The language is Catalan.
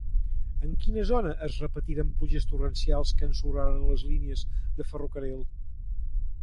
En quina zona es repetiren pluges torrencials que ensorraren les línies de ferrocarril?